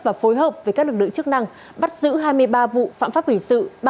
và phối hợp với các lực lượng chức năng bắt giữ hai mươi ba vụ phạm pháp hình sự